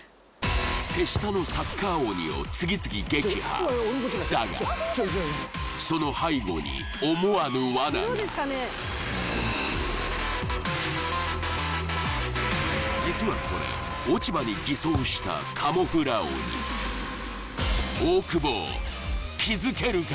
手下のサッカー鬼を次々撃破だがその背後に思わぬ罠が実はこれ落ち葉に偽装した大久保気づけるか？